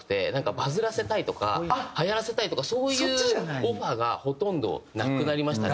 バズらせたいとかはやらせたいとかそういうオファーがほとんどなくなりましたね。